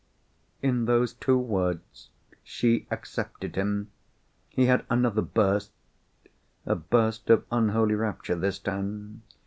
In those two words, she accepted him! He had another burst—a burst of unholy rapture this time.